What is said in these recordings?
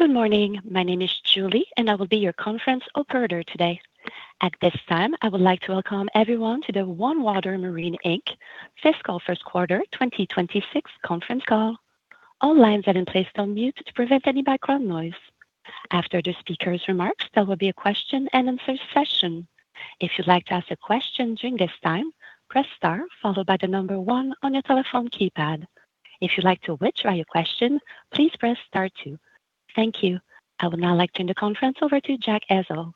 Good morning. My name is Julie, and I will be your conference operator today. At this time, I would like to welcome everyone to the OneWater Marine Inc. Fiscal first quarter 2026 conference call. All lines have been placed on mute to prevent any background noise. After the speaker's remarks, there will be a question-and-answer session. If you'd like to ask a question during this time, press Star, followed by the number 1 on your telephone keypad. If you'd like to withdraw your question, please press star two. Thank you. I would now like to turn the conference over to Jack Ezzell,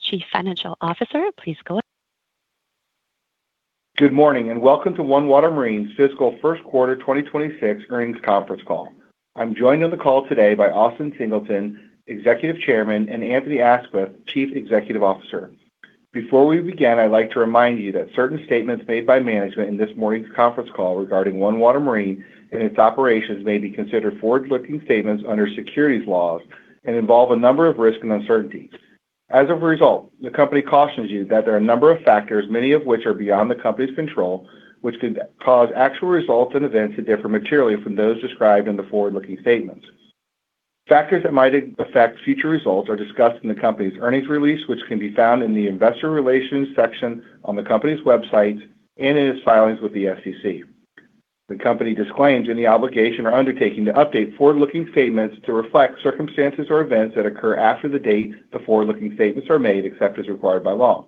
Chief Financial Officer. Please go ahead. Good morning, and welcome to OneWater Marine's Fiscal First Quarter 2026 earnings conference call. I'm joined on the call today by Austin Singleton, Executive Chairman, and Anthony Aisquith, Chief Executive Officer. Before we begin, I'd like to remind you that certain statements made by management in this morning's conference call regarding OneWater Marine and its operations may be considered forward-looking statements under securities laws and involve a number of risks and uncertainties. As a result, the company cautions you that there are a number of factors, many of which are beyond the company's control, which could cause actual results and events to differ materially from those described in the forward-looking statements. Factors that might affect future results are discussed in the company's earnings release, which can be found in the Investor Relations section on the company's website and in its filings with the SEC. The company disclaims any obligation or undertaking to update forward-looking statements to reflect circumstances or events that occur after the date the forward-looking statements are made, except as required by law.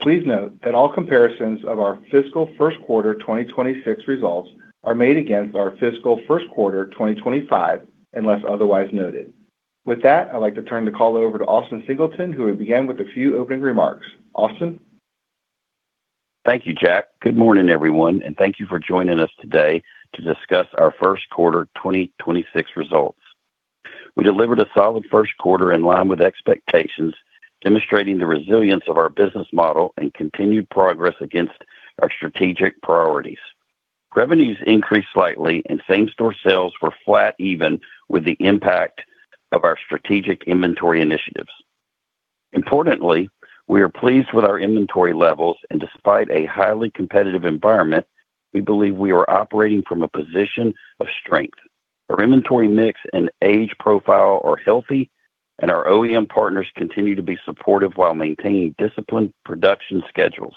Please note that all comparisons of our fiscal first quarter 2026 results are made against our fiscal first quarter 2025, unless otherwise noted. With that, I'd like to turn the call over to Austin Singleton, who will begin with a few opening remarks. Austin? Thank you, Jack. Good morning, everyone, and thank you for joining us today to discuss our first quarter 2026 results. We delivered a solid first quarter in line with expectations, demonstrating the resilience of our business model and continued progress against our strategic priorities. Revenues increased slightly and same-store sales were flat, even with the impact of our strategic inventory initiatives. Importantly, we are pleased with our inventory levels, and despite a highly competitive environment, we believe we are operating from a position of strength. Our inventory mix and age profile are healthy, and our OEM partners continue to be supportive while maintaining disciplined production schedules.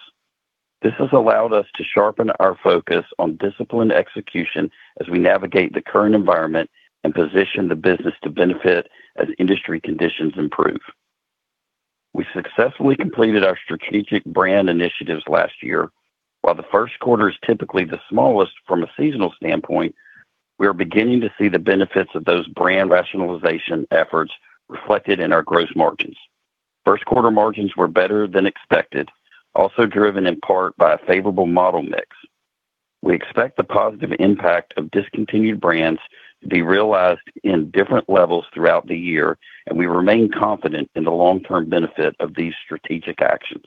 This has allowed us to sharpen our focus on disciplined execution as we navigate the current environment and position the business to benefit as industry conditions improve. We successfully completed our strategic brand initiatives last year. While the first quarter is typically the smallest from a seasonal standpoint, we are beginning to see the benefits of those brand rationalization efforts reflected in our gross margins. First quarter margins were better than expected, also driven in part by a favorable model mix. We expect the positive impact of discontinued brands to be realized in different levels throughout the year, and we remain confident in the long-term benefit of these strategic actions.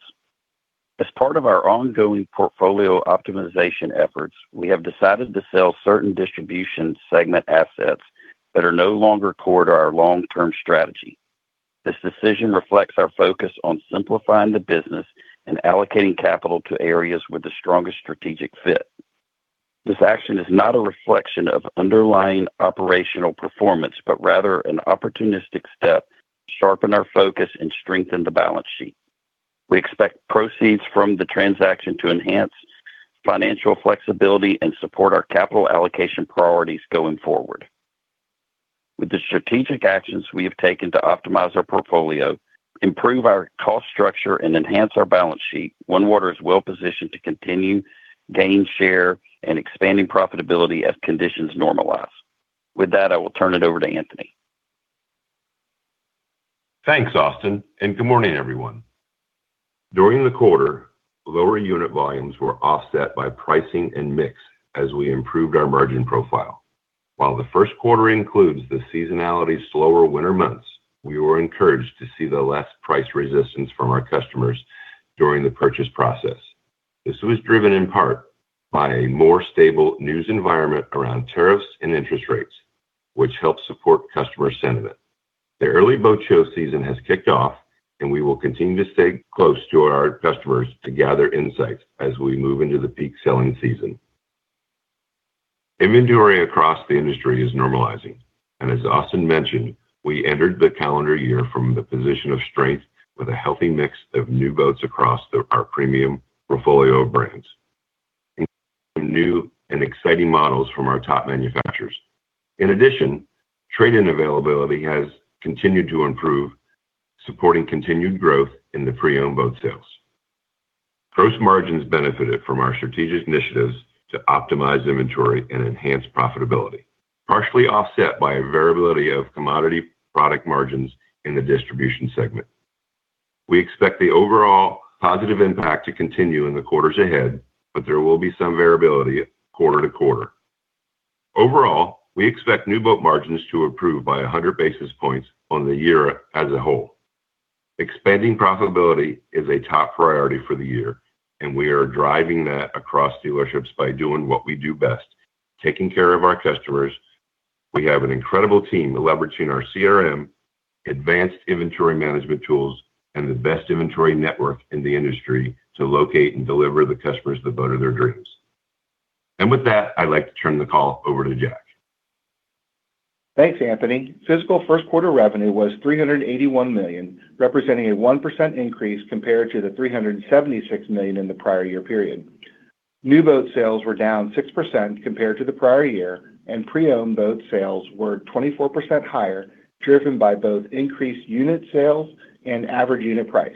As part of our ongoing portfolio optimization efforts, we have decided to sell certain distribution segment assets that are no longer core to our long-term strategy. This decision reflects our focus on simplifying the business and allocating capital to areas with the strongest strategic fit. This action is not a reflection of underlying operational performance, but rather an opportunistic step to sharpen our focus and strengthen the balance sheet. We expect proceeds from the transaction to enhance financial flexibility and support our capital allocation priorities going forward. With the strategic actions we have taken to optimize our portfolio, improve our cost structure, and enhance our balance sheet, OneWater is well positioned to continue gain share and expanding profitability as conditions normalize. With that, I will turn it over to Anthony. Thanks, Austin, and good morning, everyone. During the quarter, lower unit volumes were offset by pricing and mix as we improved our margin profile. While the first quarter includes the seasonality slower winter months, we were encouraged to see the less price resistance from our customers during the purchase process. This was driven in part by a more stable news environment around tariffs and interest rates, which helped support customer sentiment. The early boat show season has kicked off, and we will continue to stay close to our customers to gather insights as we move into the peak selling season. Inventory across the industry is normalizing, and as Austin mentioned, we entered the calendar year from the position of strength with a healthy mix of new boats across the, our premium portfolio of brands. New and exciting models from our top manufacturers. In addition, trade-in availability has continued to improve, supporting continued growth in the pre-owned boat sales. Gross margins benefited from our strategic initiatives to optimize inventory and enhance profitability, partially offset by a variability of commodity product margins in the distribution segment. We expect the overall positive impact to continue in the quarters ahead, but there will be some variability quarter to quarter. Overall, we expect new boat margins to improve by 100 basis points on the year as a whole. Expanding profitability is a top priority for the year, and we are driving that across dealerships by doing what we do best, taking care of our customers. We have an incredible team leveraging our CRM, advanced inventory management tools, and the best inventory network in the industry to locate and deliver the customers the boat of their dreams. With that, I'd like to turn the call over to Jack. Thanks, Anthony. Fiscal first quarter revenue was $381 million, representing a 1% increase compared to the $376 million in the prior year period. New boat sales were down 6% compared to the prior year, and pre-owned boat sales were 24% higher, driven by both increased unit sales and average unit price.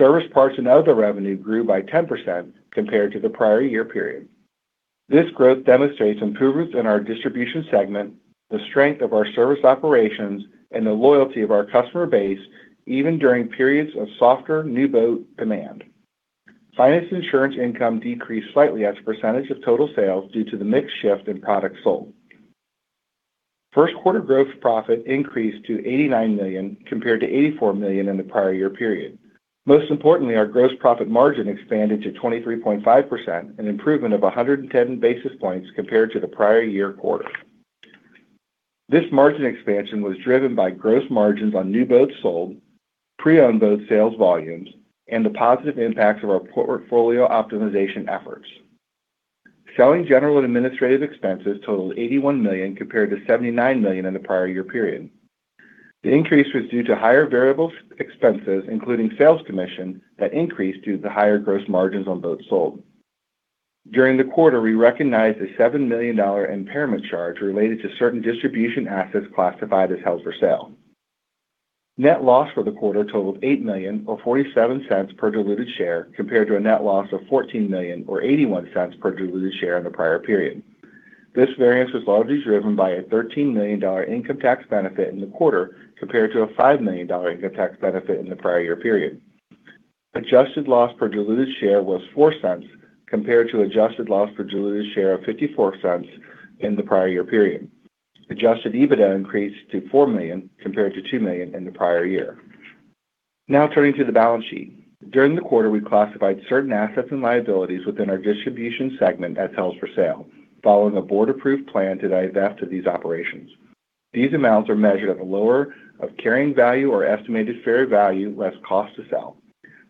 Service parts and other revenue grew by 10% compared to the prior year period. This growth demonstrates improvements in our distribution segment, the strength of our service operations, and the loyalty of our customer base, even during periods of softer new boat demand. Finance and insurance income decreased slightly as a percentage of total sales due to the mix shift in products sold. First quarter gross profit increased to $89 million, compared to $84 million in the prior year period. Most importantly, our gross profit margin expanded to 23.5%, an improvement of 110 basis points compared to the prior year quarter. This margin expansion was driven by gross margins on new boats sold, pre-owned boat sales volumes, and the positive impacts of our portfolio optimization efforts. Selling, general, and administrative expenses totaled $81 million, compared to $79 million in the prior year period. The increase was due to higher variable expenses, including sales commission, that increased due to the higher gross margins on boats sold. During the quarter, we recognized a $7 million impairment charge related to certain distribution assets classified as held for sale. Net loss for the quarter totaled $8 million, or $0.47 per diluted share, compared to a net loss of $14 million or $0.81 per diluted share in the prior period. This variance was largely driven by a $13 million income tax benefit in the quarter, compared to a $5 million income tax benefit in the prior year period. Adjusted loss per diluted share was $0.04, compared to adjusted loss per diluted share of $0.54 in the prior year period. Adjusted EBITDA increased to $4 million, compared to $2 million in the prior year. Now turning to the balance sheet. During the quarter, we classified certain assets and liabilities within our distribution segment as held for sale, following a board-approved plan to divest of these operations. These amounts are measured at the lower of carrying value or estimated fair value, less cost to sell.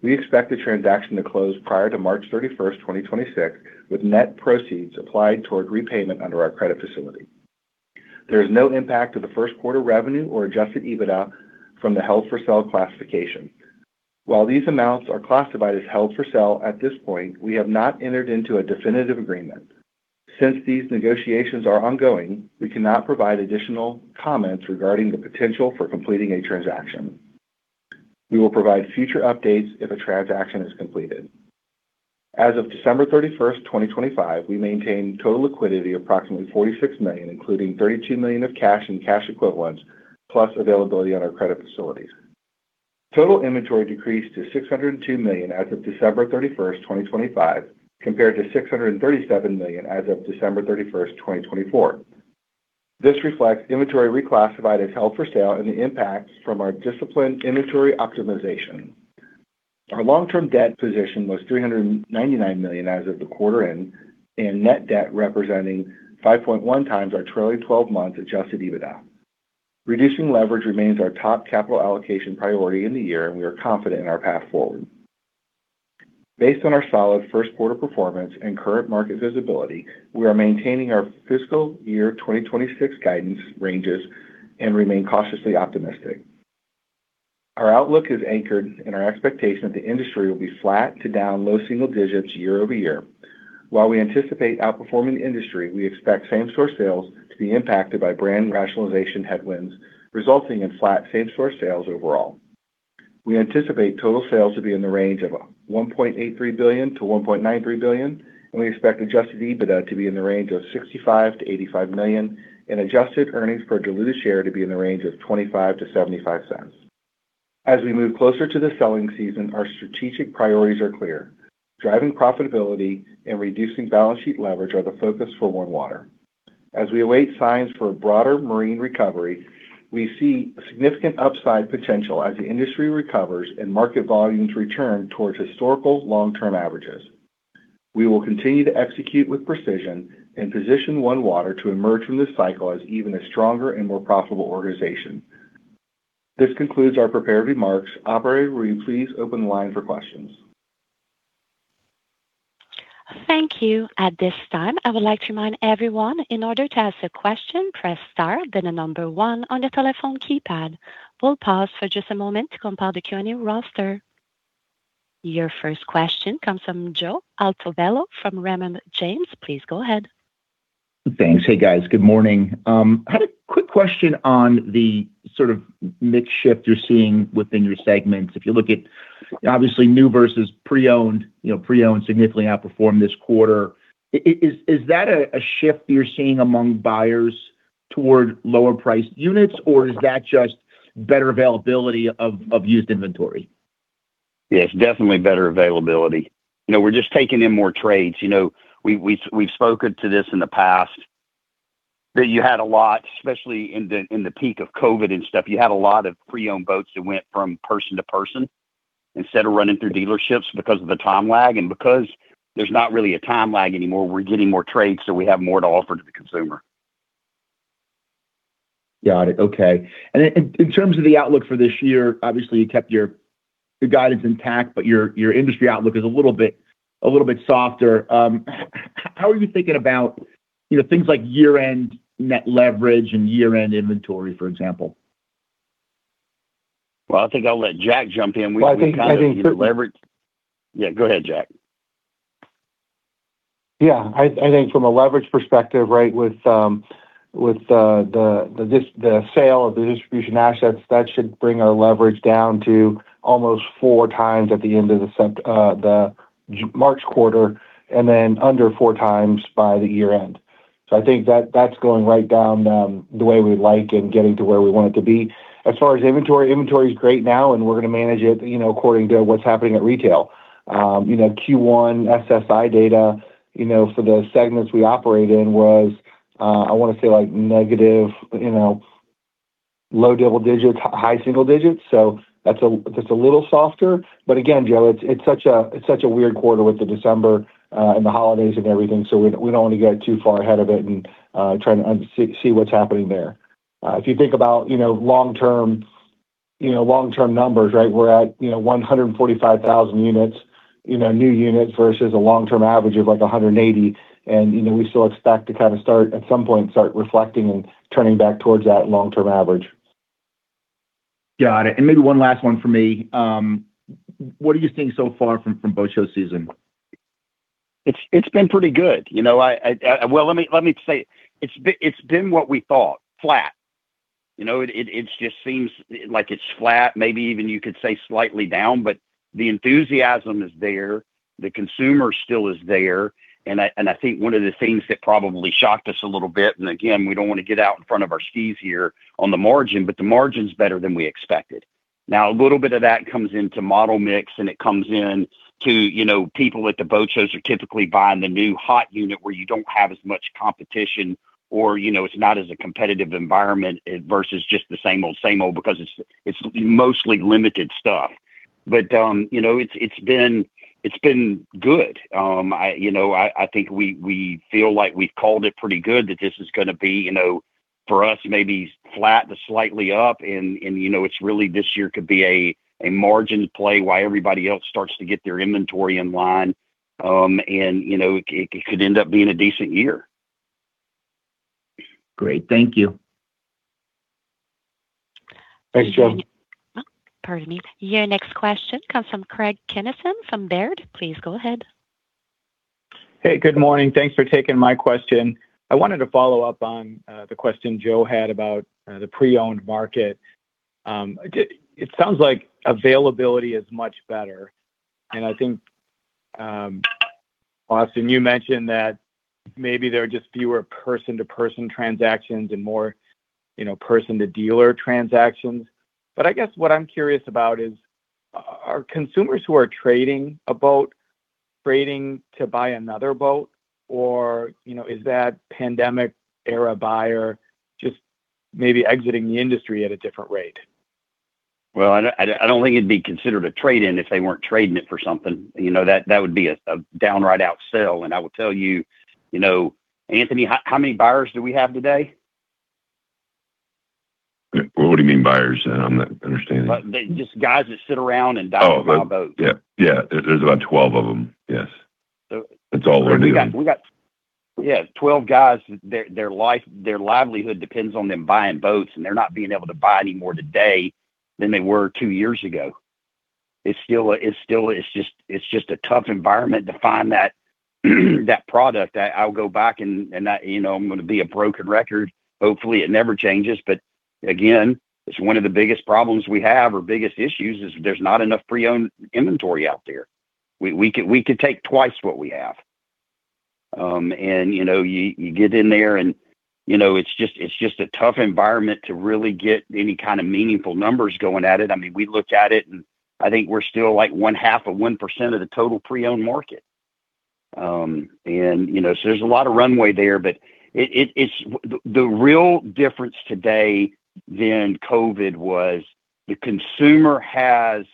We expect the transaction to close prior to March 31, 2026, with net proceeds applied toward repayment under our credit facility. There is no impact to the first quarter revenue or Adjusted EBITDA from the held for sale classification. While these amounts are classified as held for sale, at this point, we have not entered into a definitive agreement. Since these negotiations are ongoing, we cannot provide additional comments regarding the potential for completing a transaction. We will provide future updates if a transaction is completed. As of December 31, 2025, we maintained total liquidity of approximately $46 million, including $32 million of cash and cash equivalents, plus availability on our credit facilities. Total inventory decreased to $602 million as of December 31, 2025, compared to $637 million as of December 31, 2024. This reflects inventory reclassified as held for sale and the impacts from our disciplined inventory optimization. Our long-term debt position was $399 million as of the quarter end, and net debt representing 5.1x our trailing twelve-month adjusted EBITDA. Reducing leverage remains our top capital allocation priority in the year, and we are confident in our path forward. Based on our solid first quarter performance and current market visibility, we are maintaining our fiscal year 2026 guidance ranges and remain cautiously optimistic. Our outlook is anchored, and our expectation that the industry will be flat to down low single digits year-over-year. While we anticipate outperforming the industry, we expect same-store sales to be impacted by brand rationalization headwinds, resulting in flat same-store sales overall. We anticipate total sales to be in the range of $1.83 billion-$1.93 billion, and we expect adjusted EBITDA to be in the range of $65 million-$85 million, and adjusted earnings per diluted share to be in the range of $0.25-$0.75. As we move closer to the selling season, our strategic priorities are clear. Driving profitability and reducing balance sheet leverage are the focus for OneWater. As we await signs for a broader marine recovery, we see significant upside potential as the industry recovers and market volumes return towards historical long-term averages. We will continue to execute with precision and position OneWater to emerge from this cycle as even a stronger and more profitable organization. This concludes our prepared remarks. Operator, will you please open the line for questions? Thank you. At this time, I would like to remind everyone, in order to ask a question, press Star, then the number one on the telephone keypad. We'll pause for just a moment to compile the Q&A roster. Your first question comes from Joe Altobello from Raymond James. Please go ahead. Thanks. Hey, guys. Good morning. I had a quick question on the sort of mix shift you're seeing within your segments. If you look at, obviously, new versus pre-owned, you know, pre-owned significantly outperformed this quarter. Is that a shift you're seeing among buyers toward lower priced units, or is that just better availability of used inventory? Yeah, it's definitely better availability. You know, we're just taking in more trades. You know, we've spoken to this in the past, that you had a lot, especially in the peak of COVID and stuff, you had a lot of pre-owned boats that went from person to person instead of running through dealerships because of the time lag. And because there's not really a time lag anymore, we're getting more trades, so we have more to offer to the consumer. Got it. Okay. And in terms of the outlook for this year, obviously, you kept your guidance intact, but your industry outlook is a little bit softer. How are you thinking about, you know, things like year-end net leverage and year-end inventory, for example? Well, I think I'll let Jack jump in. Well, I think, I think- We kind of leverage... Yeah, go ahead, Jack. Yeah. I think from a leverage perspective, right, with the sale of the distribution assets, that should bring our leverage down to almost 4x at the end of the September quarter, the March quarter, and then under 4x by the year-end. So I think that's going right down the way we like and getting to where we want it to be. As far as inventory, inventory is great now, and we're going to manage it, you know, according to what's happening at retail. You know, Q1, SSI data, you know, for the segments we operate in was, I want to say, like, negative, you know, low double digits, high single digits. So that's a little softer. But again, Joe, it's such a weird quarter with the December and the holidays and everything, so we don't want to get too far ahead of it and try to see what's happening there. If you think about, you know, long-term, you know, long-term numbers, right? We're at, you know, 145,000 units, you know, new units versus a long-term average of, like, 180. And, you know, we still expect to kind of start, at some point, reflecting and turning back towards that long-term average. Got it. Maybe one last one for me. What are you seeing so far from boat show season? It's been pretty good. You know, well, let me say, it's been what we thought: flat. You know, it just seems like it's flat, maybe even you could say slightly down, but the enthusiasm is there, the consumer still is there. And I think one of the things that probably shocked us a little bit, and again, we don't want to get out in front of our skis here on the margin, but the margin's better than we expected. Now, a little bit of that comes into model mix, and it comes in to, you know, people at the boat shows are typically buying the new hot unit where you don't have as much competition or, you know, it's not as a competitive environment versus just the same old, same old, because it's mostly limited stuff. But, you know, it's been good. You know, I think we feel like we've called it pretty good, that this is gonna be, you know, for us, maybe flat to slightly up, and, you know, it's really this year could be a margin play while everybody else starts to get their inventory in line. And, you know, it could end up being a decent year. Great. Thank you. Thanks, Joe. Pardon me. Your next question comes from Craig Kennison, from Baird. Please go ahead. Hey, good morning. Thanks for taking my question. I wanted to follow up on the question Joe had about the pre-owned market. It sounds like availability is much better, and I think, Austin, you mentioned that maybe there are just fewer person-to-person transactions and more, you know, person-to-dealer transactions. But I guess what I'm curious about is, are consumers who are trading a boat, trading to buy another boat, or, you know, is that pandemic-era buyer just maybe exiting the industry at a different rate? Well, I don't think it'd be considered a trade-in if they weren't trading it for something. You know, that would be a downright outright sale. And I will tell you, you know, Anthony, how many buyers do we have today? Well, what do you mean buyers? I'm not understanding. Just guys that sit around and don't buy a boat. Oh, yeah. Yeah, there's about 12 of them. Yes. That's all we're doing. We got, yeah, 12 guys, their life, their livelihood depends on them buying boats, and they're not being able to buy any more today than they were two years ago. It's still a tough environment to find that product. I'll go back and not, you know, I'm gonna be a broken record. Hopefully, it never changes. But again, it's one of the biggest problems we have or biggest issues is there's not enough pre-owned inventory out there. We could take twice what we have. And you know, you get in there and you know, it's just a tough environment to really get any kind of meaningful numbers going at it. I mean, we looked at it, and I think we're still like 0.5% of the total pre-owned market. You know, so there's a lot of runway there, but it's the real difference today than COVID was. The consumer has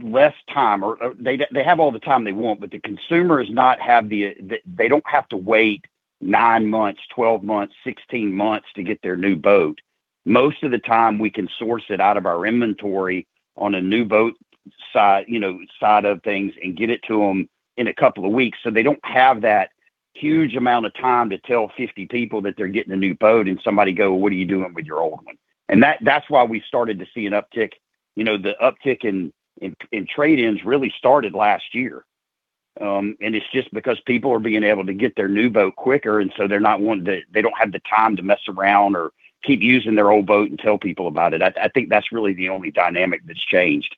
less time or they have all the time they want, but the consumer doesn't have to wait 9 months, 12 months, 16 months to get their new boat. Most of the time, we can source it out of our inventory on a new boat side, you know, side of things and get it to them in a couple of weeks. So they don't have that huge amount of time to tell 50 people that they're getting a new boat and somebody go, "What are you doing with your old one?" And that's why we started to see an uptick. You know, the uptick in trade-ins really started last year. It's just because people are being able to get their new boat quicker, and so they're not wanting to, they don't have the time to mess around or keep using their old boat and tell people about it. I, I think that's really the only dynamic that's changed.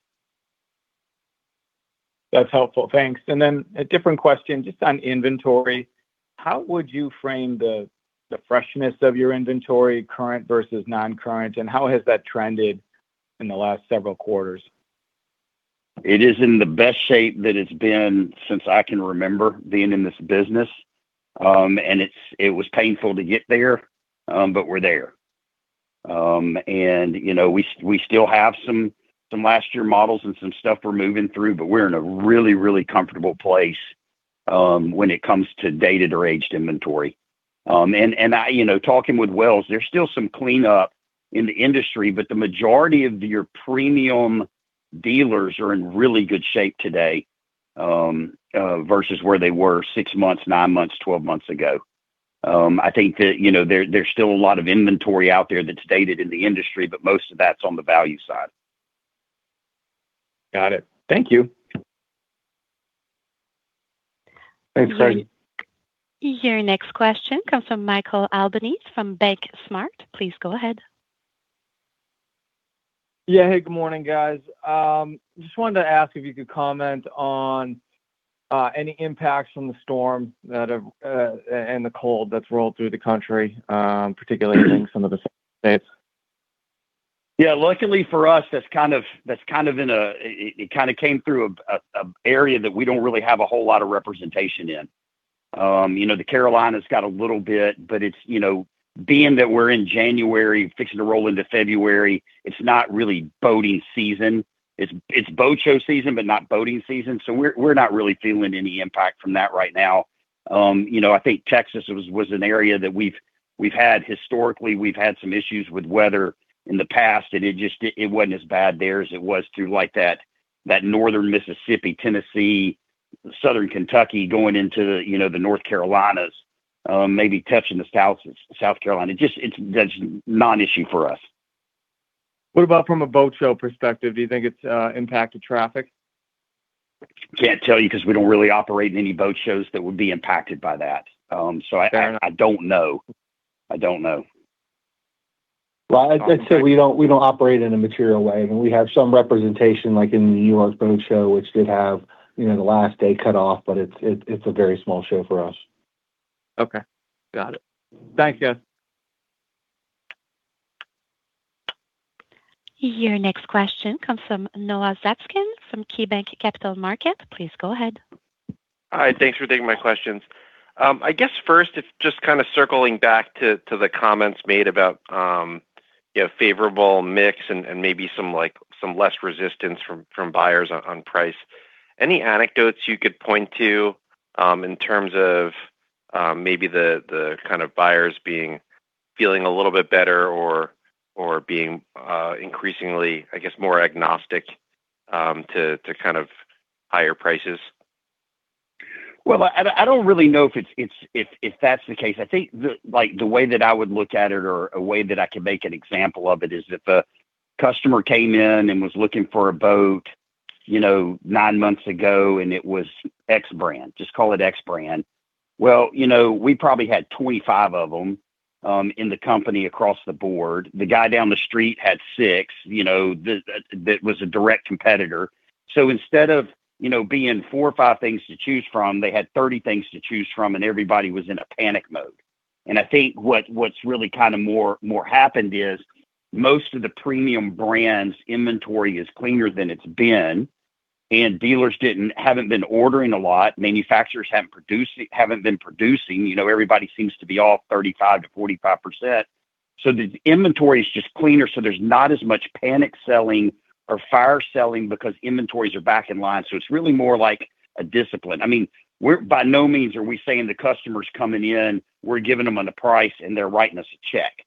That's helpful. Thanks. And then a different question, just on inventory. How would you frame the freshness of your inventory, current versus non-current, and how has that trended in the last several quarters? It is in the best shape that it's been since I can remember being in this business. And it's, it was painful to get there, but we're there. And, you know, we still have some last year models and some stuff we're moving through, but we're in a really, really comfortable place, when it comes to dated or aged inventory. And I, you know, talking with Wells, there's still some cleanup in the industry, but the majority of your premium dealers are in really good shape today, versus where they were 6 months, 9 months, 12 months ago. I think that, you know, there's still a lot of inventory out there that's dated in the industry, but most of that's on the value side. Got it. Thank you. Thanks, Cody. Your next question comes from Michael Albanese from The Benchmark Company. Please go ahead. Yeah. Hey, good morning, guys. Just wanted to ask if you could comment on any impacts from the storm that have and the cold that's rolled through the country, particularly in some of the states. Yeah, luckily for us, that's kind of in an area that we don't really have a whole lot of representation in. You know, the Carolinas got a little bit, but it's, you know, being that we're in January, fixing to roll into February, it's not really boating season. It's boat show season, but not boating season, so we're not really feeling any impact from that right now. You know, I think Texas was an area that we've had historically some issues with weather in the past, and it just wasn't as bad there as it was through like that northern Mississippi, Tennessee, southern Kentucky, going into, you know, the North Carolina, maybe touching the South Carolina. Just, that's a non-issue for us. What about from a boat show perspective? Do you think it's impacted traffic? Can't tell you 'cause we don't really operate in any boat shows that would be impacted by that. So I- Fair enough. I don't know. I don't know. Well, I'd say we don't, we don't operate in a material way. We have some representation, like in the New York Boat Show, which did have, you know, the last day cut off, but it's, it's a very small show for us. Okay. Got it. Thank you. Your next question comes from Noah Zatzkin from KeyBanc Capital Markets. Please go ahead. Hi, thanks for taking my questions. I guess first, it's just kind of circling back to the comments made about, you know, favorable mix and maybe some like some less resistance from buyers on price. Any anecdotes you could point to, in terms of, maybe the kind of buyers being - feeling a little bit better or being increasingly, I guess, more agnostic to kind of higher prices? Well, I don't really know if that's the case. I think, like, the way that I would look at it, or a way that I could make an example of it, is if a customer came in and was looking for a boat, you know, nine months ago and it was X brand, just call it X brand. Well, you know, we probably had 25 of them in the company across the board. The guy down the street had six, you know, that was a direct competitor. So instead of, you know, being four or five things to choose from, they had 30 things to choose from, and everybody was in a panic mode. And I think what's really kind of more happened is, most of the premium brands inventory is cleaner than it's been, and dealers haven't been ordering a lot. Manufacturers haven't been producing. You know, everybody seems to be off 35%-45%. So the inventory is just cleaner, so there's not as much panic selling or fire selling because inventories are back in line, so it's really more like a discipline. I mean, we're by no means saying the customers coming in, we're giving them on the price, and they're writing us a check.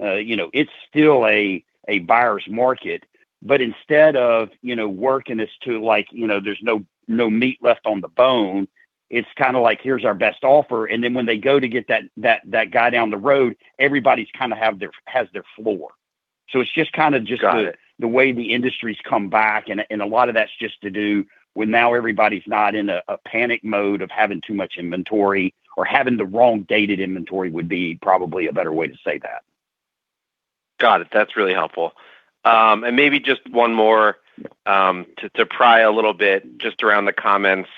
You know, it's still a buyer's market, but instead of, you know, working this to, like, you know, there's no meat left on the bone, it's kind of like, here's our best offer, and then when they go to get that guy down the road, everybody's kind of have their, has their floor. So it's just kind of the- Got it... the way the industry's come back, and a lot of that's just to do with now everybody's not in a panic mode of having too much inventory or having the wrong dated inventory would be probably a better way to say that. Got it. That's really helpful. And maybe just one more, to pry a little bit, just around the comments,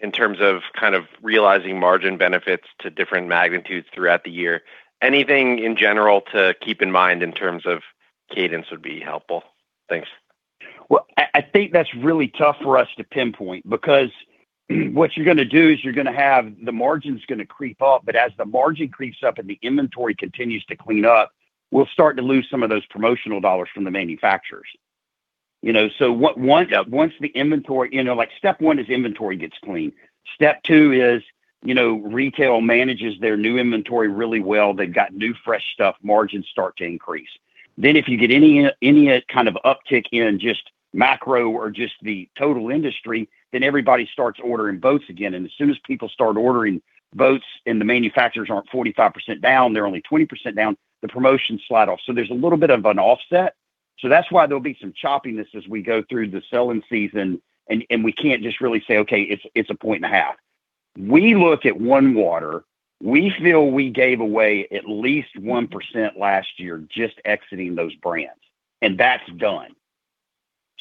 in terms of kind of realizing margin benefits to different magnitudes throughout the year. Anything in general to keep in mind in terms of cadence would be helpful? Thanks. Well, I think that's really tough for us to pinpoint because what you're gonna do is you're gonna have, the margin's gonna creep up, but as the margin creeps up and the inventory continues to clean up, we'll start to lose some of those promotional dollars from the manufacturers. You know, so once the inventory... You know, like step one is inventory gets clean. Step two is, you know, retail manages their new inventory really well. They've got new, fresh stuff, margins start to increase. Then if you get any kind of uptick in just macro or just the total industry, then everybody starts ordering boats again. And as soon as people start ordering boats, and the manufacturers aren't 45% down, they're only 20% down, the promotions slide off. So there's a little bit of an offset. So that's why there'll be some choppiness as we go through the selling season, and, and we can't just really say, "Okay, it's, it's 1.5." We look at OneWater, we feel we gave away at least 1% last year just exiting those brands, and that's done.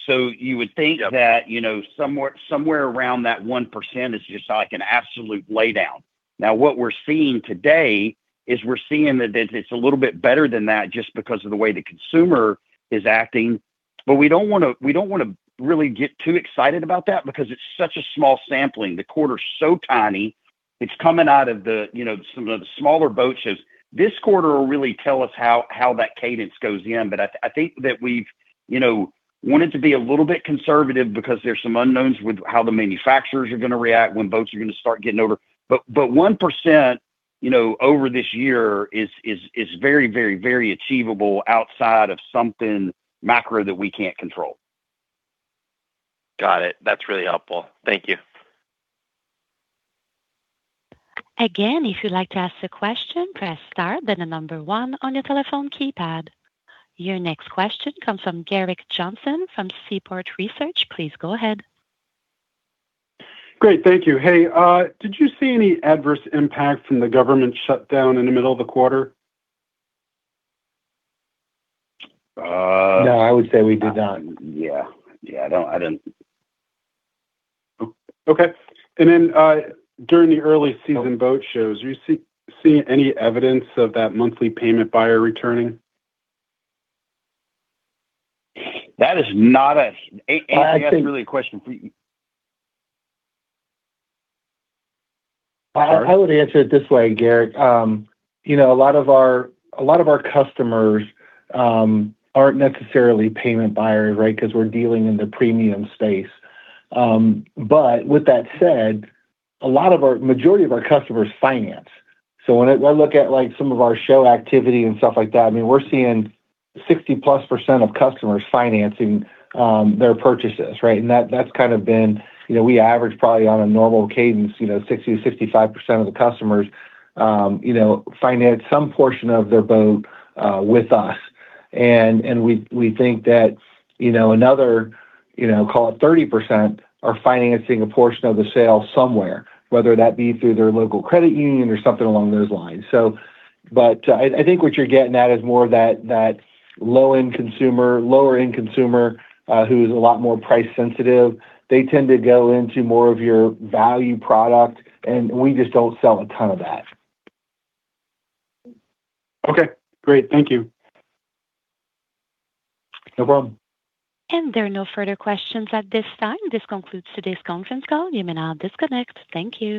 So you would think- Yep... that, you know, somewhere, somewhere around that 1% is just like an absolute laydown. Now, what we're seeing today is we're seeing that it's a little bit better than that just because of the way the consumer is acting, but we don't wanna, we don't wanna really get too excited about that because it's such a small sampling. The quarter is so tiny.... It's coming out of the, you know, some of the smaller boat shows. This quarter will really tell us how, how that cadence goes in. But I, I think that we've, you know, wanted to be a little bit conservative because there's some unknowns with how the manufacturers are gonna react when boats are gonna start getting older. But, but 1%, you know, over this year is, is, is very, very, very achievable outside of something macro that we can't control. Got it. That's really helpful. Thank you. Again, if you'd like to ask a question, press star, then the number one on your telephone keypad. Your next question comes from Gerrick Johnson from Seaport Research. Please go ahead. Great, thank you. Hey, did you see any adverse impact from the government shutdown in the middle of the quarter? Uh- No, I would say we did not. Yeah. Yeah, I don't, I didn't. Okay. And then, during the early season boat shows, are you seeing any evidence of that monthly payment buyer returning? That is not a- I think- That's really a question for you. I would answer it this way, Gerrick. You know, a lot of our customers aren't necessarily payment buyers, right? Because we're dealing in the premium space. But with that said, majority of our customers finance. So when I look at, like, some of our show activity and stuff like that, I mean, we're seeing 60+% of customers financing their purchases, right? And that's kind of been, you know, we average probably on a normal cadence, you know, 60%-65% of the customers, you know, finance some portion of their boat with us. And we think that, you know, another, you know, call it 30%, are financing a portion of the sale somewhere, whether that be through their local credit union or something along those lines. So, but, I, I think what you're getting at is more of that, that low-end consumer, lower-end consumer, who's a lot more price sensitive. They tend to go into more of your value product, and we just don't sell a ton of that. Okay, great. Thank you. No problem. There are no further questions at this time. This concludes today's conference call. You may now disconnect. Thank you.